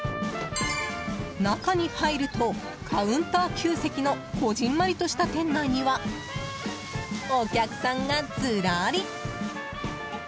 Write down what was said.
中に入ると、カウンター９席のこじんまりとした店内にはお客さんがずらり。